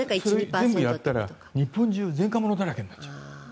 全部やったら日本中前科者だらけになっちゃう。